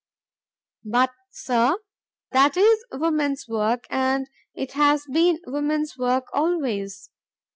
"But, sir, that is woman's work, and it has been woman's work always